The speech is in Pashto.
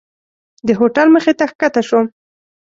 د هوټل مخې ته ښکته شوم.